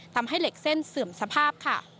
ทำให้เหล็กเส้นเสื่อมสภาพค่ะ